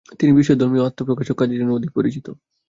তিনি বিষয়ধর্মী ও আত্ম-প্রকাশক কাজের জন্য অধিক পরিচিত।